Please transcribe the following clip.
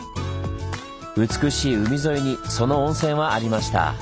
美しい海沿いにその温泉はありました。